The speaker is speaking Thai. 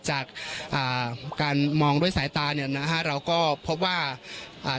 จากอ่าการมองด้วยสายตาเนี่ยนะฮะเราก็พบว่าอ่า